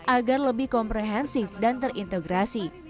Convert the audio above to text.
agar lebih komprehensif dan terintegrasi